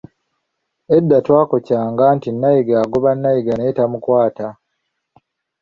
Edda twakoccanga nti nayiga agoba nayiga naye tamukwata.